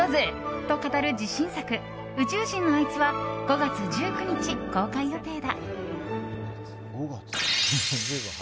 と語る自信作「宇宙人のあいつ」は５月１９日公開予定だ。